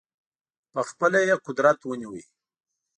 په خپله یې قدرت ونیوی.